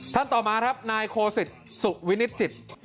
ท่านต่อมานายโคศิษย์สุขวินิจจิตร์